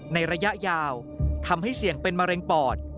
ระยะยาวทำให้เสี่ยงเป็นมะเร็งปอด